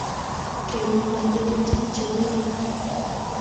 kelumda tetutik che niin